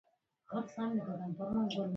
د انکریپشن تخنیکونه معلومات خوندي ساتي.